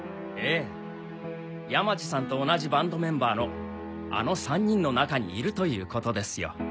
ええ山路さんと同じバンドメンバーのあの３人の中にいるということですよ。